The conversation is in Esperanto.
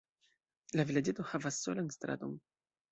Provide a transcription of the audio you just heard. La vilaĝeto havas solan straton.